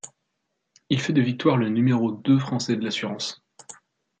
Il fait de Victoire le numéro deux français de l'assurance.